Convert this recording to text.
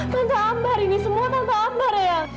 tante ambar ini semua tante ambar ayang